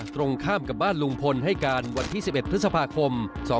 ตรงข้ามกับบ้านลุงพลให้การวันที่๑๑พฤษภาคม๒๕๖